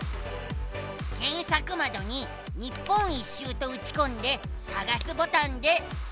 けんさくまどに日本一周とうちこんでさがすボタンでスクるのさ。